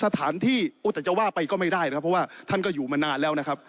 ท่านก็อยู่มานานแล้วนะครับ